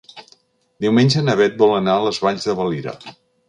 Diumenge na Beth vol anar a les Valls de Valira.